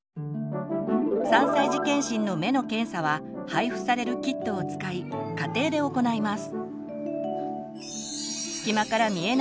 ３歳児健診の目の検査は配布されるキットを使い家庭で行います。